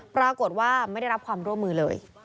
ปรากฏว่าไม่ได้รับความร่วมมือเลย